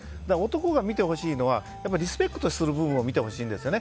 男が見てほしいのはリスペクトする部分を見てほしいんです。